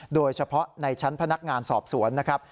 โดยเฉพาะในชั้นพนักงานสอบสวนนะครับ